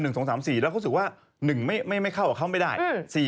แล้วเขารู้สึกว่า๑ไม่เข้ากับเขาไม่ได้